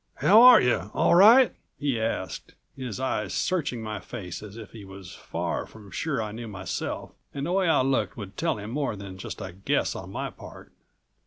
"How are you, all right?" he asked, his eyes searching my face as if he was far from sure I knew myself and the way I looked would tell him more than just a guess on my part.